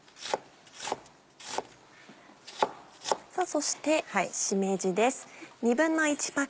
そしてしめじです。